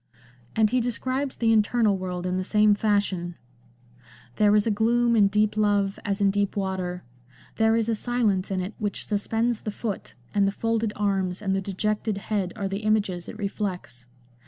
And he describes the internal world in the same fashion ;—" There is a gloom in deep love, as in deep water : there is a silence in it which suspends the foot, and the folded arms and the dejected head are the images it reflects.